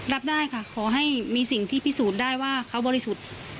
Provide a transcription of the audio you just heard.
รับได้ค่ะขอให้มีสิ่งที่พิสูจน์ได้ว่าเขาบริสุทธิ์